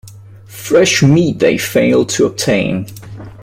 Fresh meat they failed to obtain.